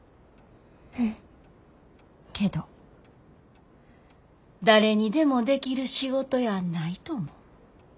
けど誰にでもできる仕事やないと思う。